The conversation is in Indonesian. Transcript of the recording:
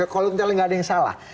kalau tidak ada yang salah